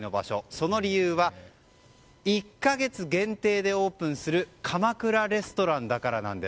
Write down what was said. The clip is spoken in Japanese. その理由は１か月限定でオープンするかまくらレストランだからなんです。